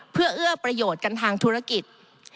เพื่อเอื้อประโยชน์กันทางธุรกิจ